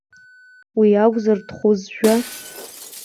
Уи акәзар дхәызжәа?